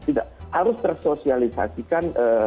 tidak harus tersosialisasikan